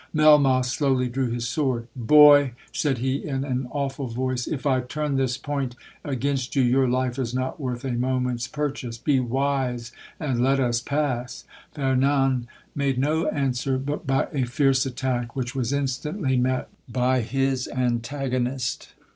Melmoth slowly drew his sword. 'Boy!' said he in an awful voice—'If I turn this point against you, your life is not worth a moment's purchase—be wise and let us pass.' Fernan made no answer but by a fierce attack, which was instantly met by his antagonist.